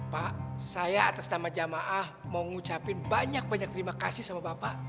pak saya atas nama jamaah mau ngucapin banyak banyak terima kasih sama bapak